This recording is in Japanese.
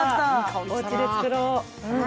おうちで作ろう。